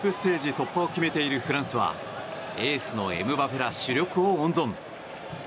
突破を決めているフランスはエースのエムバペら主力を温存。